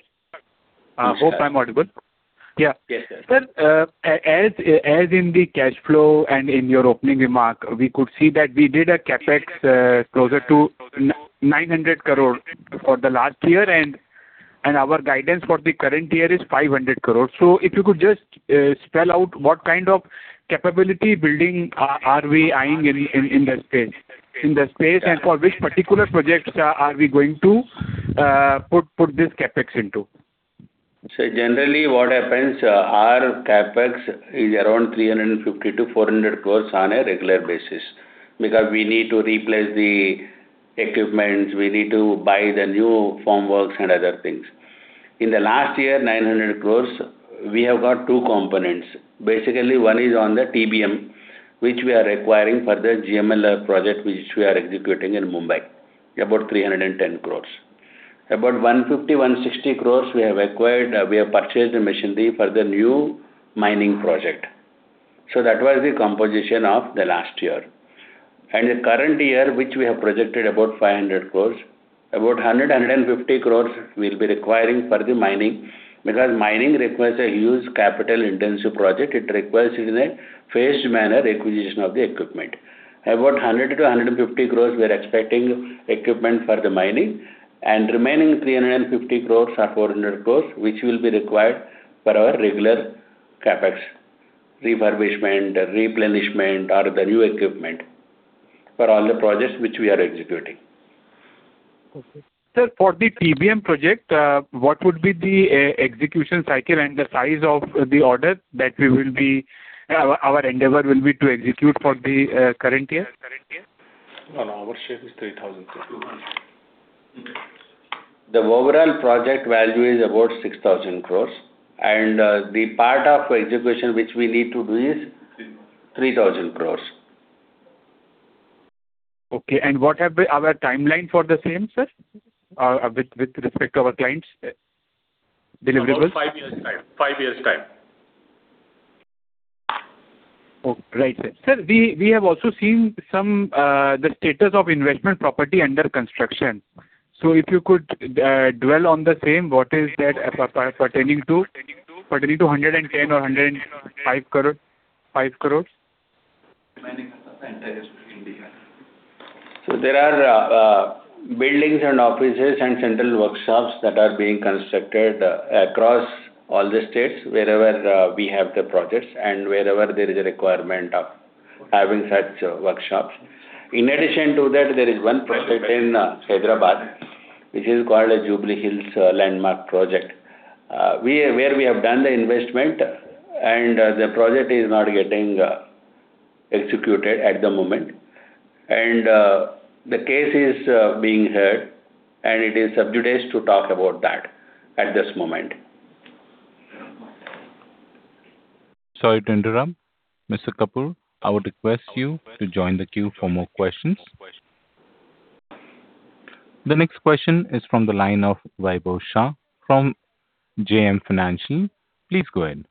Namaskar. hope I'm audible. Yeah. Yes, sir. Sir, as in the cash flow and in your opening remark, we could see that we did a CapEx closer to 900 crore for the last year, and our guidance for the current year is 500 crore. If you could just spell out what kind of capability building are we eyeing in the space, and for which particular projects are we going to put this CapEx into? Generally, what happens, our CapEx is around 350-400 crores on a regular basis because we need to replace the equipments, we need to buy the new formworks and other things. In the last year, 900 crores, we have got two components. One is on the TBM, which we are acquiring for the GMLR project, which we are executing in Mumbai, about 310 crores. About 150-160 crores we have acquired, we have purchased the machinery for the new mining project. That was the composition of the last year. The current year, which we have projected about 500 crores, about 100-150 crores we'll be requiring for the mining because mining requires a huge capital-intensive project. It requires, in a phased manner, acquisition of the equipment. About 100-150 crores we are expecting equipment for the mining, remaining 350 crores or 400 crores, which will be required for our regular CapEx refurbishment, replenishment or the new equipment for all the projects which we are executing. Okay. Sir, for the TBM project, what would be the execution cycle and the size of the order that our endeavor will be to execute for the current year? No, our share is INR 3,000 crores. The overall project value is about 6,000 crores. INR 3,000 crores. 3,000 crores. Okay. What have we our timeline for the same, sir, with respect to our clients deliverables? About five years' time. Five years' time. Oh, right, sir. Sir, we have also seen some, the status of investment property under construction. If you could dwell on the same, what is that pertaining to? Pertaining to 110 crore or 105 crore, 5 crores? Remaining of the entire India. There are buildings and offices and central workshops that are being constructed across all the states wherever we have the projects and wherever there is a requirement of having such workshops. In addition to that, there is one project in Hyderabad, which is called Jubilee Hills Landmark project, where we have done the investment and the project is not getting executed at the moment. The case is being heard, and it is sub judice to talk about that at this moment. Sorry to interrupt. Mr. Kapoor, I would request you to join the queue for more questions. The next question is from the line of Vaibhav Shah from JM Financial. Please go ahead.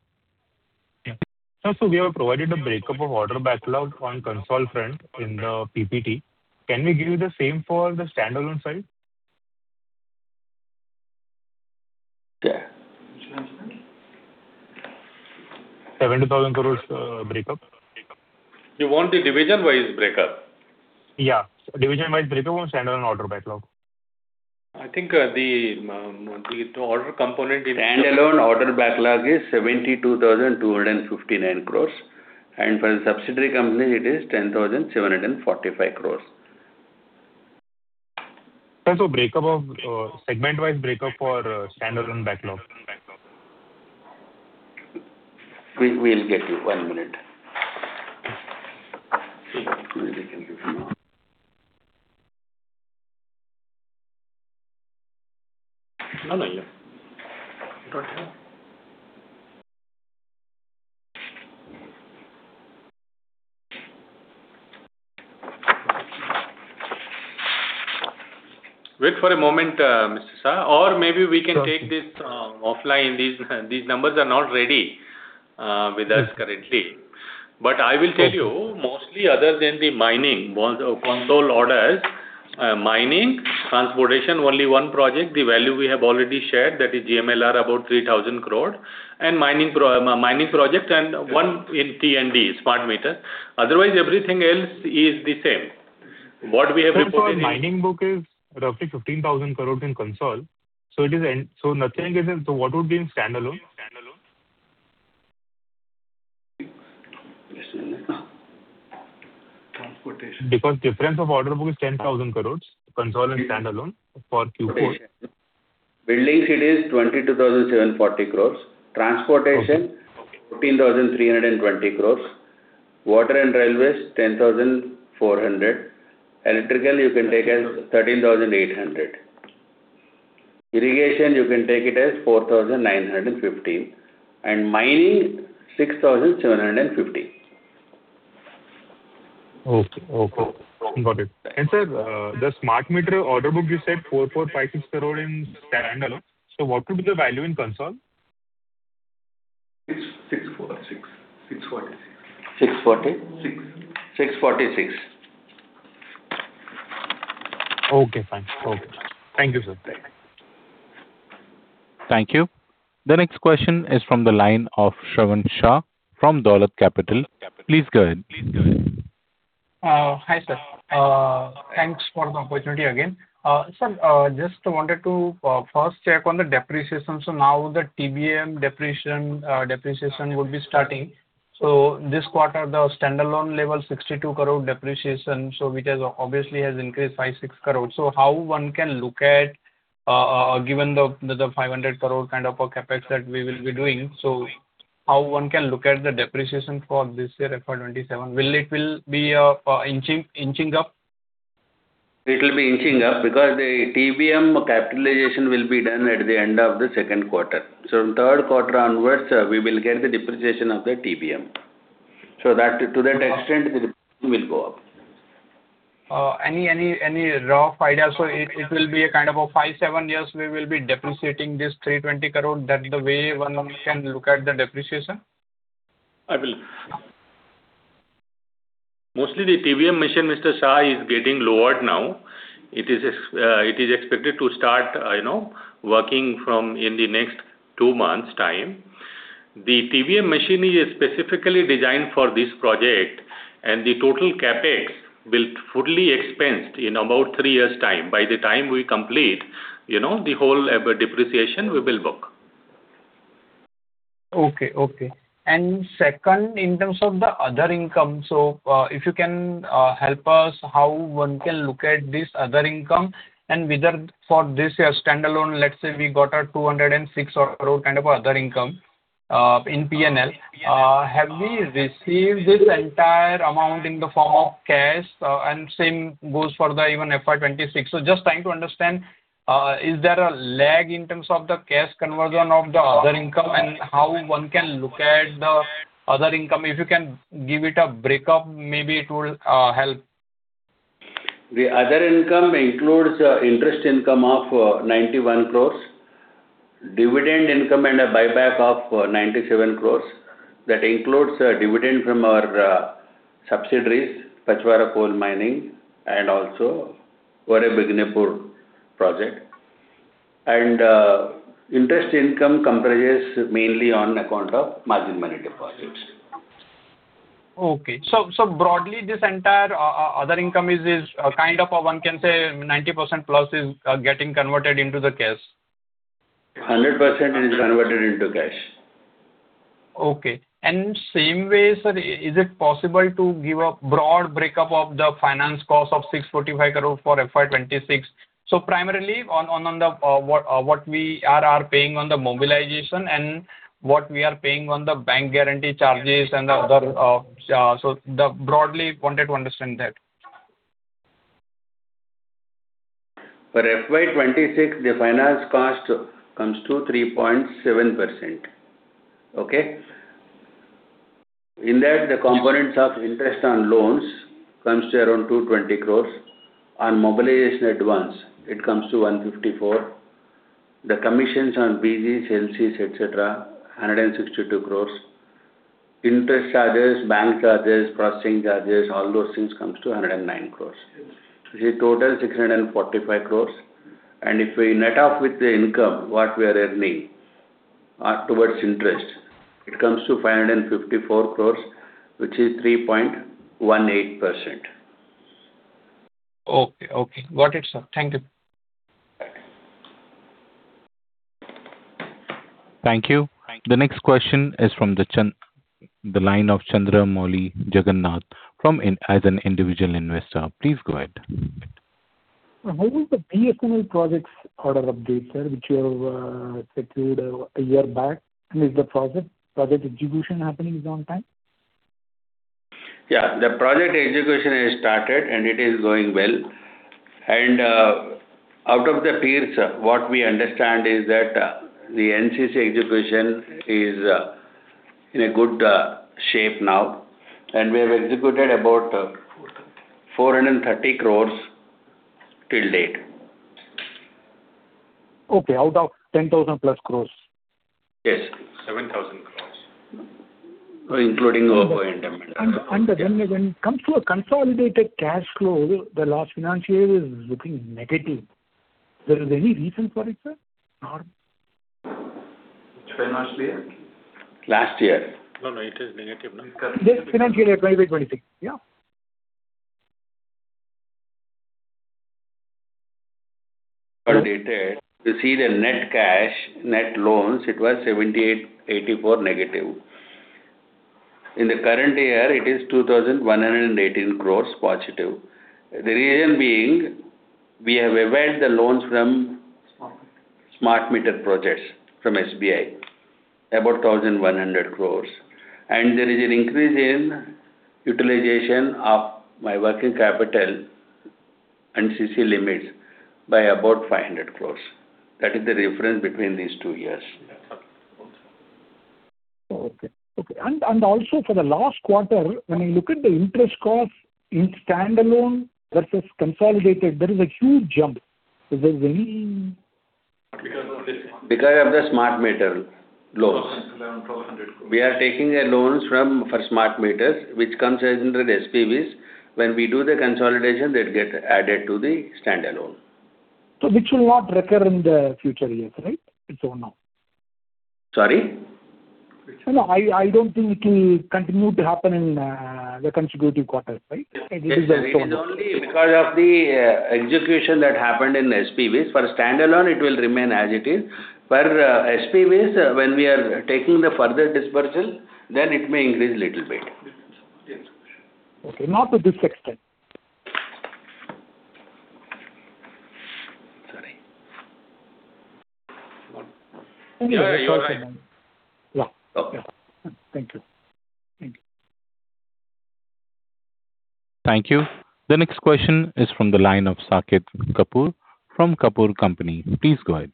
Sir, we have provided a breakup of order backlog on consolidated front in the PPT. Can we give the same for the standalone side? Yeah. 70,000 crores, breakup. You want the division-wise breakup? Yeah, division-wise breakup of standalone order backlog. I think, the order component is. Standalone order backlog is 72,259 crores. For the subsidiary company, it is 10,745 crores. Sir, breakup of, segment-wise breakup for, standalone backlog. We'll get you. One minute. Wait for a moment, Mr. Shah. Maybe we can take this offline. These numbers are not ready with us currently. I will tell you, mostly other than the mining, console orders, mining, transportation, only one project, the value we have already shared, that is GMLR, about 3,000 crore. Mining project and one in T&D, smart meter. Otherwise, everything else is the same. What we have reported is. Sir, our mining book is roughly 15,000 crore in consolidated, what would be in standalone? Transportation. Difference of order book is 10,000 crores, consolidated and standalone for Q4. Buildings, it is 22,740 crores. Transportation- Okay. 14,320 crores. Water and railways, 10,400. Electrical, you can take as 13,800. Irrigation, you can take it as 4,915. Mining, INR 6,750. Okay, okay. Got it. Sir, the smart meter order book you said 4,456 crore in standalone, what would be the value in consol? Six, six four six. Six forty-six. INR 640? Six. INR 646. Okay, fine. Okay. Thank you, sir. Thank you. The next question is from the line of Shravan Shah from Dolat Capital. Please go ahead. Hi sir. Thanks for the opportunity again. Sir, just wanted to first check on the depreciation. Now the TBM depreciation will be starting. This quarter, the standalone level 62 crore depreciation, which has obviously increased 5 crore- 6 crore. How one can look at given the 500 crore kind of a CapEx that we will be doing. How one can look at the depreciation for this year, FY 2027. Will it be inching up? It will be inching up because the TBM capitalization will be done at the end of the second quarter. Third quarter onwards, we will get the depreciation of the TBM. That, to that extent, the depreciation will go up. Any rough idea? It will be a kind of a 5-7 years we will be depreciating this 320 crore. That's the way one can look at the depreciation? Mostly the TBM machine, Mr. Shah, is getting lowered now. It is expected to start, you know, working from in the next two months time. The TBM machine is specifically designed for this project, and the total CapEx will fully expensed in about three years' time. By the time we complete, you know, the whole depreciation we will book. Okay, okay. Second, in terms of the other income. If you can help us how one can look at this other income, and whether for this year standalone, let's say we got a 206 crore kind of other income in P&L. Have we received this entire amount in the form of cash? Same goes for the even FY 2026. Just trying to understand, is there a lag in terms of the cash conversion of the other income and how one can look at the other income? If you can give it a breakup, maybe it will help. The other income includes interest income of 91 crores. Dividend income and a buyback of 97 crores. That includes a dividend from our subsidiaries, Pachhwara Coal Mining and also Ore-Begunepur project. Interest income comprises mainly on account of margin money deposits. Okay. Broadly this entire other income is kind of one can say 90% plus is getting converted into the cash. 100% is converted into cash. Okay. Same way, sir, is it possible to give a broad breakup of the finance cost of 645 crore for FY 2026? Primarily on the what we are paying on the mobilization and what we are paying on the bank guarantee charges and the other. Broadly wanted to understand that. For FY 2026, the finance cost comes to 3.7%. Okay? In that, the components of interest on loans comes to around 220 crores. On mobilization advance it comes to 154. The commissions on BGs, LCs, et cetera, 162 crores. Interest charges, bank charges, processing charges, all those things comes to 109 crores. The total, 645 crores. If we net off with the income, what we are earning towards interest, it comes to 554 crores, which is 3.18%. Okay, okay. Got it, sir. Thank you. Thank you. The next question is from the line of Chandramouli Jagannath as an individual investor. Please go ahead. How is the BSNL projects order update, sir, which you have secured a year back? Is the project execution happening on time? Yeah. The project execution has started, it is going well. Out of the peers, what we understand is that the NCC execution is in a good shape now. We have executed about 430 crores till date. Okay. Out of 10,000 plus crores? Yes. 7,000 crores. Including O&M and- When it comes to a consolidated cash flow, the last financial year is looking negative. There is any reason for it, sir? Which financial year? Last year. No, no, it is negative, no? This financial year, 2023. Yeah. You see the net cash, net loans, it was 78, 84 negative. In the current year, it is 2,118 crores positive. The reason being, we have availed the loans from Smart meter projects from SBI, about 1,100 crores. There is an increase in utilization of my working capital and CC limits by about 500 crores. That is the difference between these two years. Yeah. Okay. Okay. Also for the last quarter, when I look at the interest cost in standalone versus consolidated, there is a huge jump. Is there? Because of the smart meter loans. INR 1,200 crores. We are taking the loans from, for smart meters, which comes as under SPV. When we do the consolidation, that get added to the standalone. Which will not recur in the future years, right? It's over now. Sorry? No. I don't think it will continue to happen in the consecutive quarters, right? It is just one time. It is only because of the execution that happened in SPV. For standalone, it will remain as it is. For SPV, when we are taking the further dispersal, then it may increase a little bit. Okay. Not to this extent. Sorry. You are right. Yeah. Okay. Thank you. Thank you. Thank you. The next question is from the line of Saket Kapoor from Kapoor & Co. Please go ahead.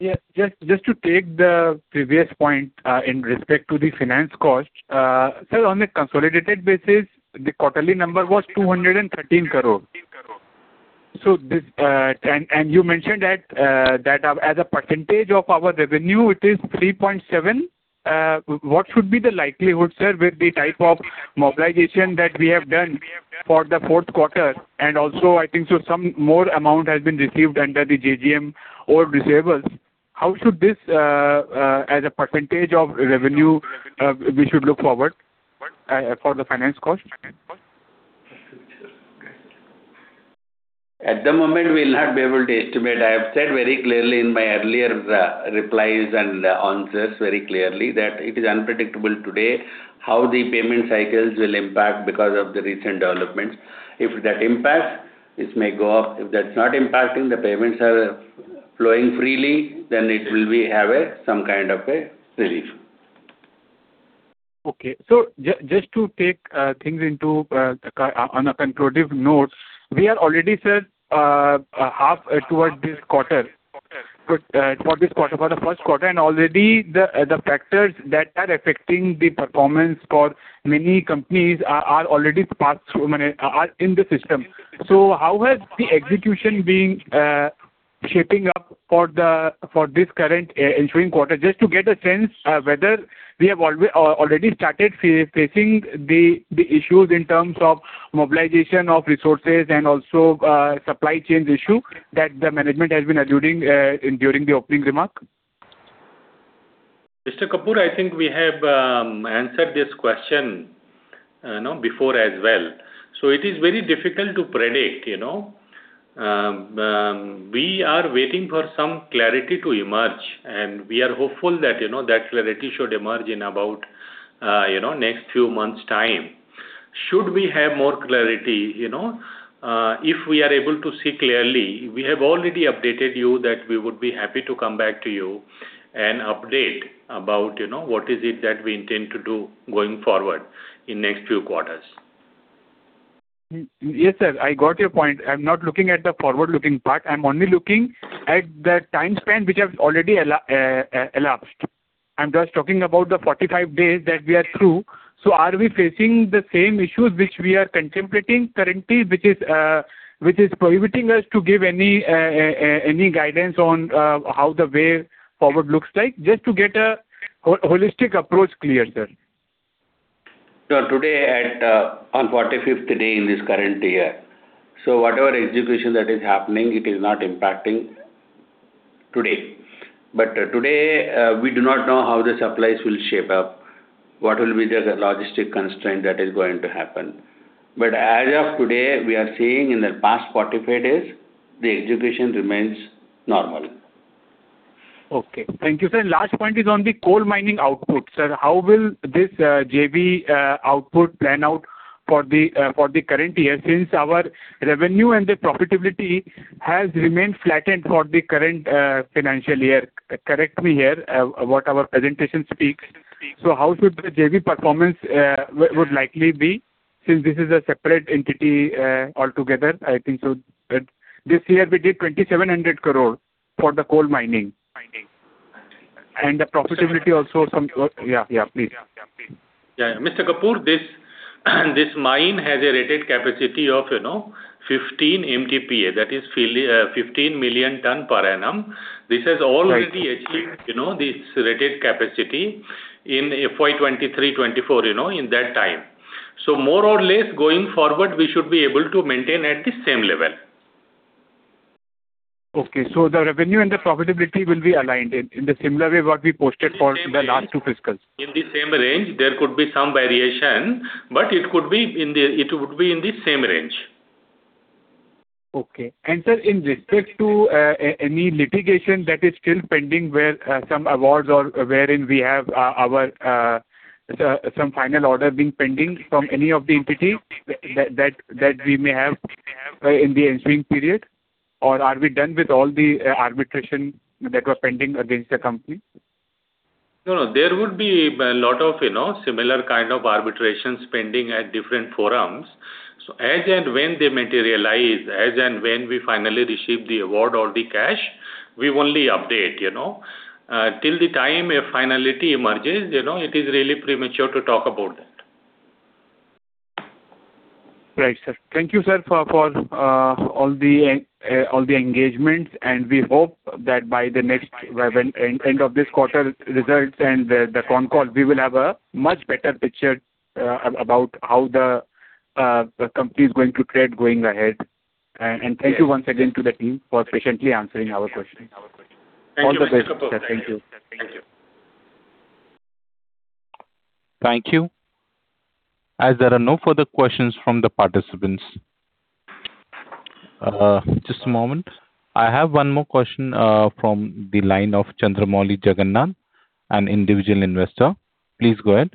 Yes. Just to take the previous point, in respect to the finance cost. On a consolidated basis, the quarterly number was 213 crore. This. You mentioned that as a percentage of our revenue, it is 3.7%. What should be the likelihood, sir, with the type of mobilization that we have done for the fourth quarter? Also, I think so some more amount has been received under the JJM or receivables. How should this, as a percentage of revenue, we should look forward for the finance cost? At the moment, we'll not be able to estimate. I have said very clearly in my earlier replies and answers very clearly that it is unpredictable today how the payment cycles will impact because of the recent developments. If that impacts, this may go up. If that's not impacting, the payments are flowing freely, it will be have a, some kind of a relief. Okay. Just to take things into on a concluding note, we are already, sir, half towards this quarter, for this quarter, for the first quarter, already the factors that are affecting the performance for many companies are already passed through, I mean, are in the system. How has the execution been shaping up for this current ensuing quarter? Just to get a sense whether we have already started facing the issues in terms of mobilization of resources and also supply chains issue that the management has been alluding during the opening remark. Mr. Kapoor, I think we have answered this question before as well. It is very difficult to predict, you know. We are waiting for some clarity to emerge, and we are hopeful that, you know, that clarity should emerge in about, you know, next few months' time. Should we have more clarity, you know, if we are able to see clearly, we have already updated you that we would be happy to come back to you and update about, you know, what is it that we intend to do going forward in next few quarters. Yes, sir, I got your point. I'm not looking at the forward-looking part. I'm only looking at the time span which has already elapsed. I'm just talking about the 45 days that we are through. Are we facing the same issues which we are contemplating currently, which is prohibiting us to give any guidance on how the way forward looks like? Just to get a holistic approach clear, sir. No, today at, on 45th day in this current year. Whatever execution that is happening, it is not impacting today. Today, we do not know how the supplies will shape up. What will be the logistic constraint that is going to happen. As of today, we are seeing in the past 45 days, the execution remains normal. Okay. Thank you, sir. Last point is on the coal mining output. Sir, how will this JV output plan out for the current year, since our revenue and the profitability has remained flattened for the current financial year. Correct me here, what our presentation speaks. How should the JV performance would likely be, since this is a separate entity altogether? I think so. This year we did 2,700 crore for the coal mining. The profitability also. Yeah. Yeah, please. Yeah. Mr. Kapoor, this mine has a rated capacity of, you know, 15 MTPA, that is 15 million ton per annum. Right Achieved, you know, this rated capacity in FY 2023, 2024, you know, in that time. More or less going forward, we should be able to maintain at the same level. Okay, the revenue and the profitability will be aligned in the similar way what we posted for the last two fiscals. In the same range. There could be some variation, but it would be in the same range. Okay. Sir, in respect to any litigation that is still pending where some awards or wherein we have our some final order being pending from any of the entity that we may have in the ensuing period? Are we done with all the arbitration that was pending against the company? No, there would be a lot of, you know, similar kind of arbitrations pending at different forums. As and when they materialize, as and when we finally receive the award or the cash, we only update, you know. Till the time a finality emerges, you know, it is really premature to talk about that. Right, sir. Thank you, sir, for all the engagements, we hope that by the next, when end of this quarter results and the con call, we will have a much better picture about how the company is going to tread going ahead. Thank you once again to the team for patiently answering our questions. Thank you, Mr. Kapoor. Thank you. Thank you. Thank you. As there are no further questions from the participants. Just a moment. I have one more question from the line of Chandramouli Jagannath, an individual investor. Please go ahead.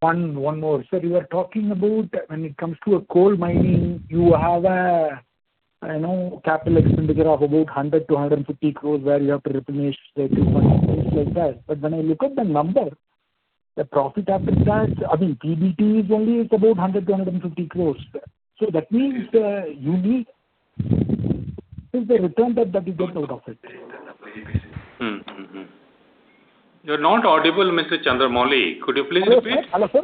One more. Sir, you were talking about when it comes to a coal mining, you have a, you know, CapEx of about 100 crore-150 crore where you have to replenish the equipment, things like that. When I look at the number, the PAT, I mean, PBT is only about 100 crore-150 crore. Is the return that you get out of it? You're not audible, Mr. Chandramouli. Could you please repeat? Hello, sir.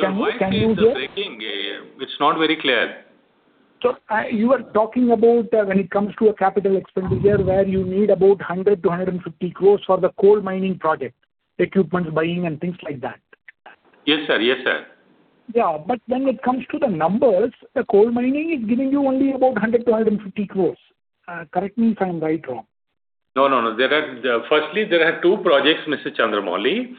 Can you hear? Your line is breaking. It's not very clear. Sir, you were talking about when it comes to a CapEx where you need about 100 crores-150 crores for the coal mining project, equipments buying and things like that. Yes, sir. Yes, sir. Yeah. When it comes to the numbers, the coal mining is giving you only about 100 crore-150 crore. Correct me if I'm right or wrong. No, no. Firstly, there are two projects, Mr. Chandramouli.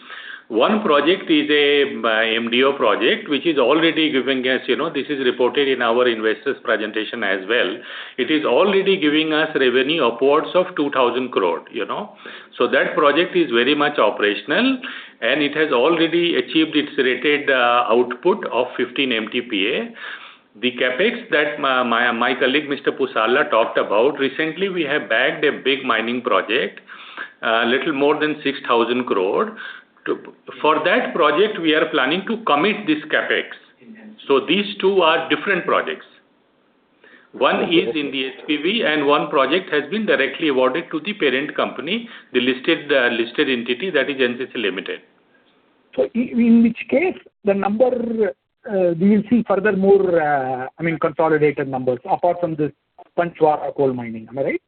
One project is a MDO project, which is already giving us, you know, this is reported in our investors presentation as well. It is already giving us revenue upwards of 2,000 crore, you know. That project is very much operational, and it has already achieved its rated output of 15 MTPA. The CapEx that my colleague, Mr. Pusarla, talked about, recently, we have bagged a big mining project, little more than 6,000 crore. For that project, we are planning to commit this CapEx. These two are different projects. One is in the SPV and one project has been directly awarded to the parent company, the listed entity that is NCC Limited. In which case the number, we will see further more, I mean, consolidated numbers apart from this Pachhwara Coal Mining. Am I right?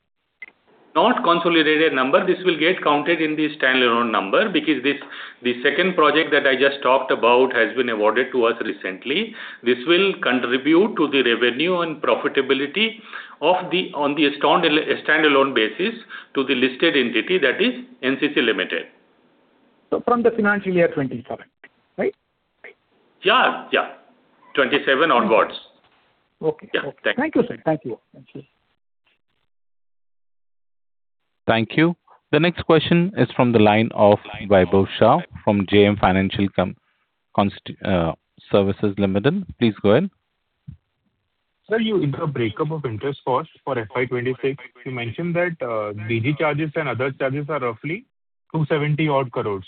Not consolidated number. This will get counted in the standalone number because this, the second project that I just talked about has been awarded to us recently. This will contribute to the revenue and profitability of the, on the standalone basis to the listed entity that is NCC Limited. From the FY 2027, right? Yeah, yeah. 27 onwards. Okay. Yeah. Thank you. Thank you, sir. Thank you. Thank you. Thank you. The next question is from the line of Vaibhav Shah from JM Financial Institutional Securities Limited. Please go ahead. Sir, in the breakup of interest cost for FY 2026, you mentioned that BG charges and other charges are roughly 270 odd crores.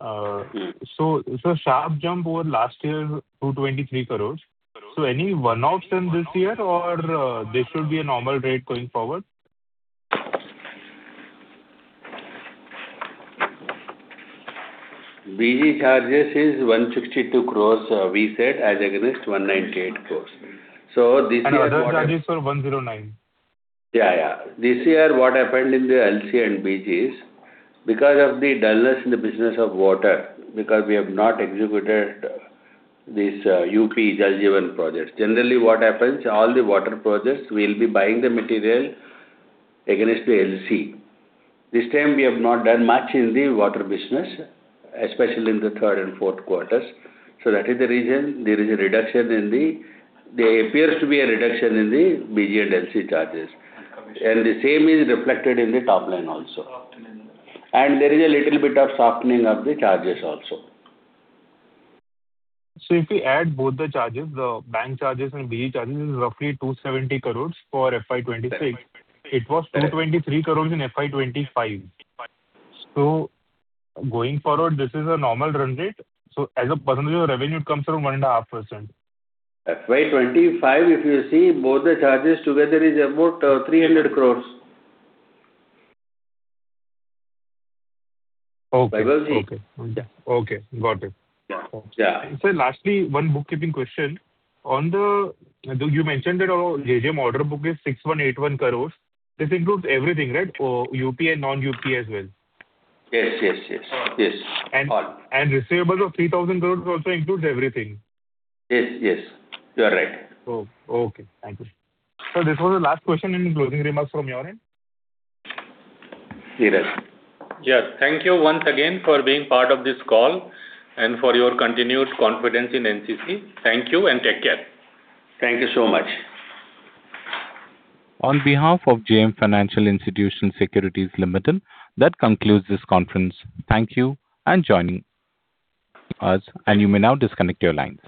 It's a sharp jump over last year, 223 crores. Any one-offs in this year or this should be a normal rate going forward? BG charges is 162 crores, we said, as against 198 crores. other charges were 109. Yeah, yeah. This year, what happened in the LC and BGs, because of the dullness in the business of water, because we have not executed this UP Jal Jeevan Project. Generally, what happens, all the water projects, we'll be buying the material against the LC. This time we have not done much in the water business, especially in the third and fourth quarters. That is the reason there appears to be a reduction in the BG and LC charges. The same is reflected in the top line also. There is a little bit of softening of the charges also. If we add both the charges, the bank charges and BG charges is roughly 270 crores for FY 2026. It was 223 crores in FY 2025. Going forward, this is a normal run rate. As a percentage of revenue, it comes to 1.5%. FY 2025, if you see, both the charges together is about, 300 crores. Okay. Vaibhav. Okay. Yeah. Okay. Got it. Yeah. Sir, lastly, one bookkeeping question. You mentioned that JJM order book is 6,181 crores. This includes everything, right? UP and non-UP as well? Yes, yes. Yes. All. Receivables of 3,000 crores also includes everything. Yes, yes. You are right. Oh, okay. Thank you. Sir, this was the last question. Any closing remarks from your end? Suresh. Yes. Thank you once again for being part of this call and for your continued confidence in NCC. Thank you and take care. Thank you so much. On behalf of JM Financial Institutional Securities Limited, that concludes this conference. Thank you for joining us. You may now disconnect your lines.